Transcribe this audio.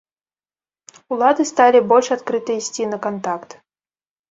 Улады сталі больш адкрыта ісці на кантакт.